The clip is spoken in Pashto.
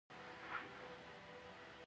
علم زده کول فرض دي